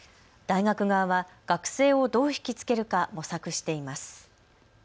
大学側は学生をどう引きつけるか模索しています。